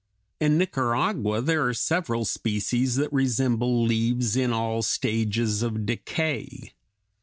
In Nicaragua there are several species that resemble leaves in all stages of decay.